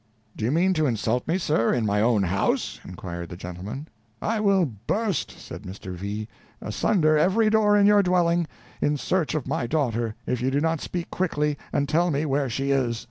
"Do you mean to insult me, sir, in my own house?" inquired the gentleman. "I will burst," said Mr. V., "asunder every door in your dwelling, in search of my daughter, if you do not speak quickly, and tell me where she is.